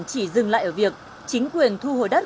chỉ dừng lại ở việc chính quyền thu hồi đất